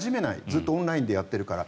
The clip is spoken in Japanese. ずっとオンラインでやっているから。